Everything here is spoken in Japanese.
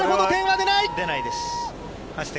出ないです。